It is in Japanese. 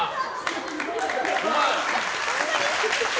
うまい。